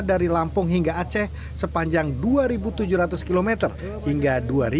dari lampung hingga aceh sepanjang dua tujuh ratus km hingga dua ribu dua puluh